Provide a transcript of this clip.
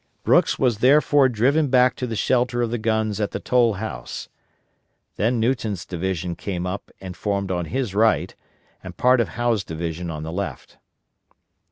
Brooks was therefore driven back to the shelter of the guns at the Toll House. Then Newton's division came up and formed on his right and part of Howe's division on the left.